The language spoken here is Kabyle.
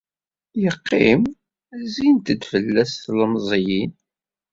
Yeqqim, zzint-d fell-as tlemẓiyin.